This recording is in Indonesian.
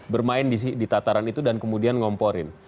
bermain di tataran itu dan kemudian ngomporin